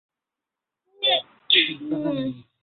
নাহলে কখন মরে যেতে!